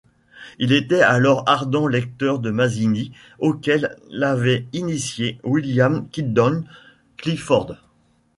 Il était alors ardent lecteur de Mazzini auquel l'avait initié William Kingdon Clifford.